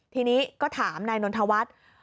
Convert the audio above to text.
ทีนี้ก็ถามนายนนทวัฒน์